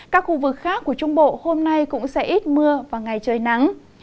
các khu vực khác của trung bộ hôm nay cũng sẽ ít mưa và ngày trời nắng